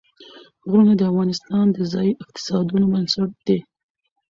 غرونه د افغانستان د ځایي اقتصادونو بنسټ دی.